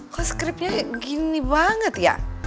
kok skriptnya gini banget ya